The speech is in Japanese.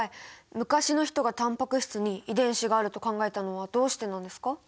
昔の人がタンパク質に遺伝子があると考えたのはどうしてなんですか？